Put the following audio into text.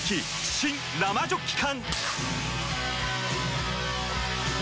新・生ジョッキ缶！